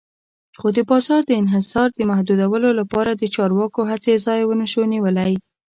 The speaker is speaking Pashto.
خو د بازار د انحصار د محدودولو لپاره د چارواکو هڅې ځای ونشو نیولی.